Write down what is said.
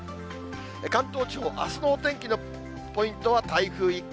関東地方、あすのお天気のポイントは、台風一過。